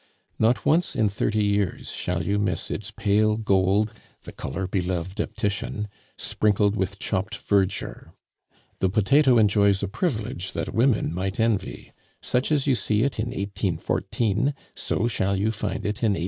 Not once in thirty years shall you miss its pale gold (the color beloved of Titian), sprinkled with chopped verdure; the potato enjoys a privilege that women might envy; such as you see it in 1814, so shall you find it in 1840.